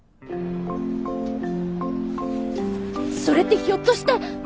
それってひょっとして。